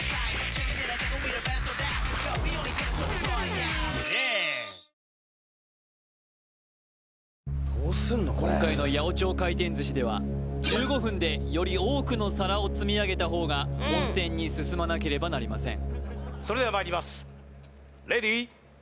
ニトリ今回の八百長回転寿司では１５分でより多くの皿を積み上げた方が本戦に進まなければなりません